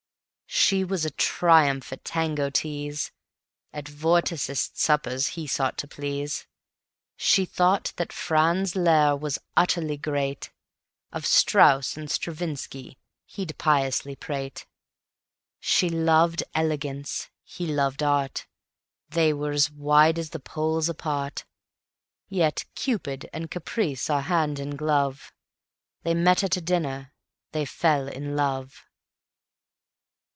She was a triumph at Tango teas; At Vorticist's suppers he sought to please. She thought that Franz Lehar was utterly great; Of Strauss and Stravinsky he'd piously prate. She loved elegance, he loved art; They were as wide as the poles apart: Yet Cupid and Caprice are hand and glove They met at a dinner, they fell in love.